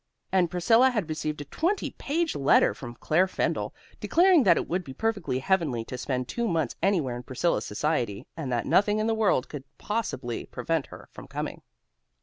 And Priscilla had received a twenty page letter from Claire Fendall, declaring that it would be perfectly heavenly to spend two months anywhere in Priscilla's society, and that nothing in the world could possibly prevent her from coming.